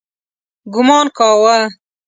ګومان کاوه.